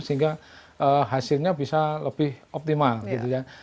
sehingga hasilnya bisa lebih optimal gitu ya